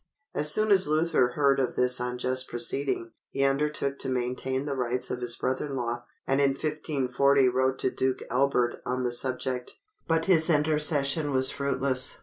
As soon as Luther heard of this unjust proceeding, he undertook to maintain the rights of his brother in law, and in 1540 wrote to Duke Albert on the subject; but his intercession was fruitless.